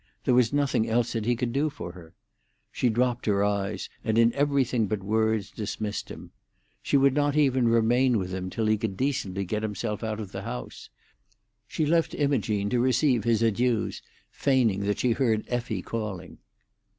There was nothing else that he could do for her. She dropped her eyes, and in everything but words dismissed him. She would not even remain with him till he could decently get himself out of the house. She left Imogene to receive his adieux, feigning that she heard Effie calling.